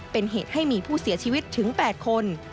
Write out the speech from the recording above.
เป็นเหตุให้มีผู้เสียชีวิตถึง๘คน